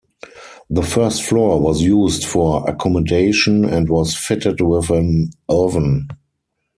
The first floor was used for accommodation and was fitted with an oven.